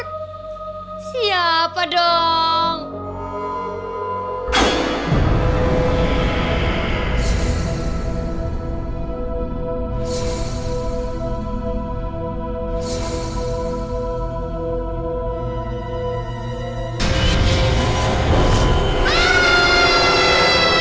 terus yang di dapur